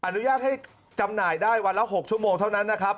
อนุญาตให้จำหน่ายได้วันละ๖ชั่วโมงเท่านั้นนะครับ